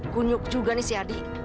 kunyuk juga nih si adi